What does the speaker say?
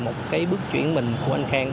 một cái bước chuyển mình của anh khang